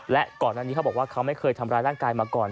และก่อนอันนี้เขาบอกว่าเขาไม่เคยทำร้ายร่างกายมาก่อน